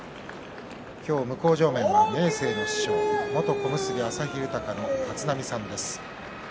向正面は明生の師匠で元小結旭豊の立浪さんです。